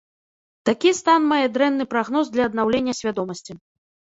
Такі стан мае дрэнны прагноз для аднаўлення свядомасці.